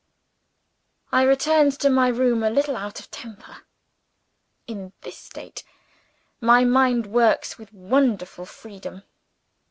I returned to my room, a little out of temper. In this state my mind works with wonderful freedom.